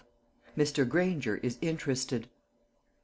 MR. GRANGER IS INTERESTED.